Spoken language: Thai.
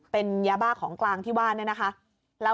เป็นยาบ้าของกลางที่ว่าเนี่ยนะคะ